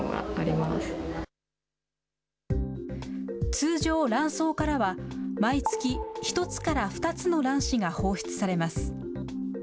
通常、卵巣からは毎月、１つから２つの卵子が放出されます。